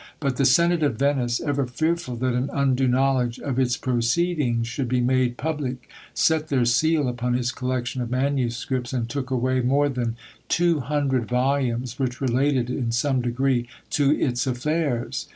But the Senate of Venice, ever fearful that an undue knowledge of its proceedings should be made public, set their seal upon his collection of manuscripts, and took away more than two hundred volumes which related in some degree to its affairs.